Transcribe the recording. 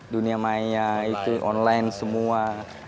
dunia maya itu online semua